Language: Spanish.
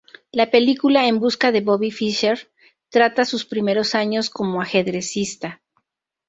La película "En busca de Bobby Fischer" trata sus primeros años como ajedrecista.